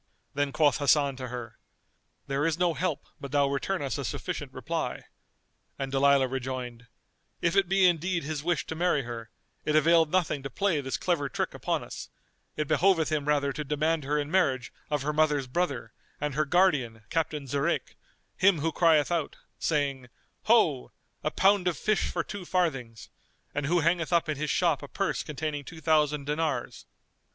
Then quoth Hasan to her, "There is no help but thou return us a sufficient reply"; and Dalilah rejoined, "If it be indeed his wish to marry her, it availed nothing to play this clever trick upon us: it behoveth him rather to demand her in marriage of her mother's brother and her guardian, Captain Zurayk, him who crieth out, saying, 'Ho! a pound of fish for two farthings!' and who hangeth up in his shop a purse containing two thousand dinars."